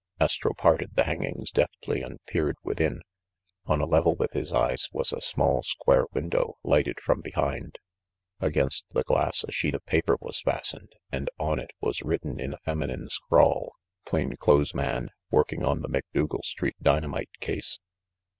Astro parted the hangings deftly and peered within. On a level with his eyes was a small square window, lighted from behind. Against the glass a sheet of paper was fastened, and on it was written in a feminine scrawl, "Plain clothes man. Working on the Macdougal Street dynamite case."